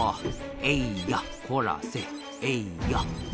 「えんやこらせえんや」